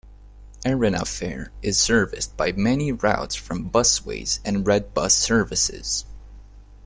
Erina Fair is serviced by many routes from Busways and Red Bus Services.